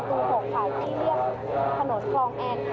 ผู้บัญชาการสำนักปฏิบัติการคดีพิเศษค่ะ